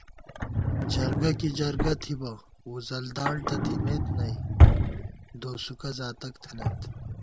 جرگہ کی جرگہ تھِبہ، وُزل داڑ تہ تِھمېت نئ، دوسُوکہ زاتَک تھنَئیت